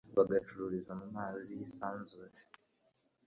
bagacururiza mu mazi y’isanzure